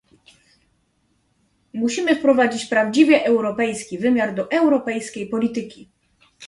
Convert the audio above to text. Musimy wprowadzić prawdziwie europejski wymiar do europejskiej polityki